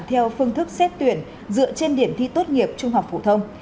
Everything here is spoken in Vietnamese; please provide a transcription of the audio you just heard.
các trường sẽ có phương thức xét tuyển dựa trên điểm thi tốt nghiệp trung học phổ thông